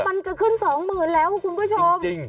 มันจะขึ้น๒๐๐๐แล้วคุณผู้ชม